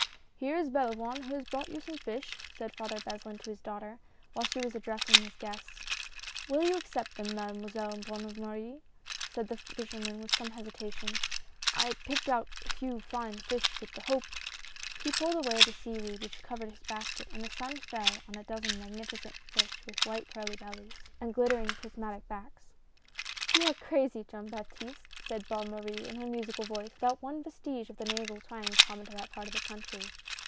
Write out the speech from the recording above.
" Here is Belavoine, who has brought you some fish," said Father Beslin to his daughter, while she was ad dressing his guests. "Will you accept them. Mademoiselle Bonne Marie?" said the fisherman Avith some little hesita tion, " I picked out a few fine fish with the hope " He pulled away the seaweed which covered his basket and the sun fell full on a dozen magnificent fish with white pearly bellies and glittering, prismatic backs. "You are crazy, Jean Baptiste," said Bonne Marie in her musical voice, without one vestige of the nasal twang common to that part of the country.